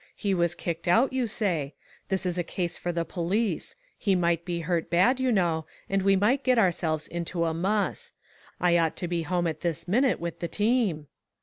He was kicked out, you say. This is a case for the police ; he might be hurt bad, you know, and we might get ourselves into a muss. I ought to be at home this minute with the team."